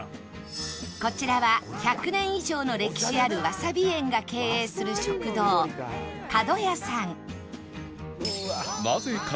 こちらは１００年以上の歴史あるわさび園が経営する食堂かどやさん